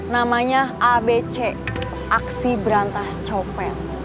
namanya abc aksi berantas copet